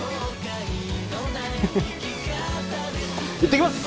行ってきます！